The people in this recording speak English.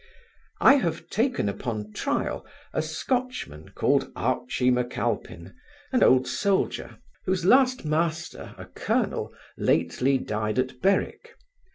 I have taken upon trial a Scotchman, called Archy M'Alpin, an old soldier, whose last master, a colonel, lately died at Berwick.